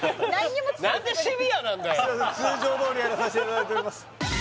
すいません通常どおりやらさせていただいてます